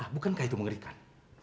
bukankah itu mengerikan